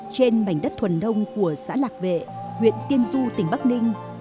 trên mảnh đất thuần đông của xã lạc vệ huyện tiên du tỉnh bắc ninh